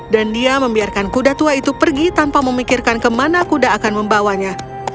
dan dia membiarkan kuda tua itu pergi tanpa memikirkan kemana kuda akan membawanya